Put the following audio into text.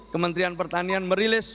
kementerian pertanian merilis